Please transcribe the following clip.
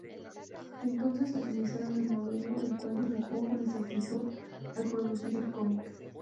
Entonces utilizaron el modelo el cual dibujó con exactitud al producir el cómic.